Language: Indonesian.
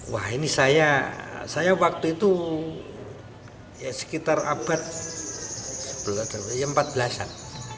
wah ini saya saya waktu itu ya sekitar abad empat belas an